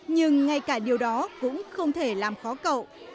nhưng ngay cả điều đó cũng không thể làm khó cậu